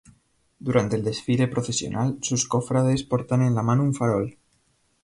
Durante el desfile procesional, sus cofrades portan en la mano un farol.